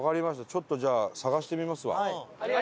ちょっとじゃあ探してみますわ。